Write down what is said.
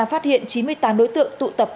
phát hiện chín mươi tám đối tượng tụ tập